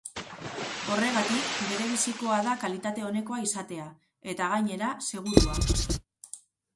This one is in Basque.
Horregatik, berebizikoa da kalitate onekoa izatea, eta gainera, segurua.